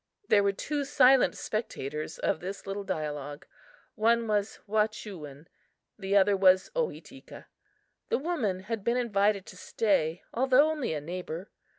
There were two silent spectators of this little dialogue. One was Wahchewin; the other was Ohitika. The woman had been invited to stay, although only a neighbor.